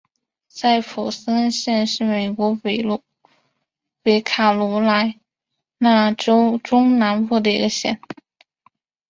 桑普森县是美国北卡罗莱纳州中南部的一个县。